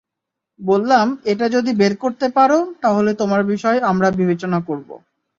বললাম, এটা যদি বের করতে পারো, তাহলে তোমার বিষয় আমরা বিবেচনা করব।